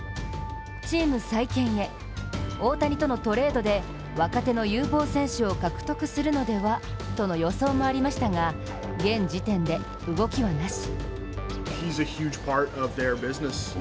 チーム再建へ大谷とのトレードで若手の有望選手を獲得するのではとの予想もありましたが現時点で動きはなし。